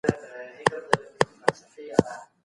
که د پوسته خانې ټاپه نیمه ړنګه وي ماشین یې پوره لوستلی سي.